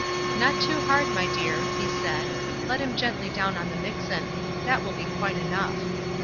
"Not too hard, my dear," he said; "let him gently down on the mixen. That will be quite enough."